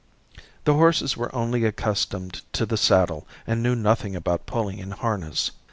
The horses were only accustomed to the saddle and knew nothing about pulling in harness.